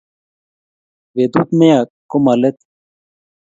Betut ne ya ko malet